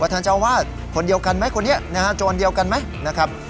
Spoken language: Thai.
วัทธาเจ้าว่าคนเดียวกันไหมคนนี้จนเดียวกันไหมนะครับ